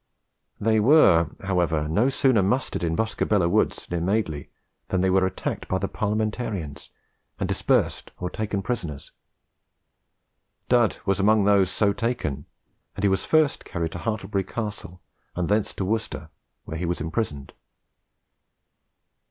They were, however, no sooner mustered in Bosco Bello woods near Madeley, than they were attacked by the Parliamentarians, and dispersed or taken prisoners. Dud was among those so taken, and he was first carried to Hartlebury Castle and thence to Worcester, where he was imprisoned.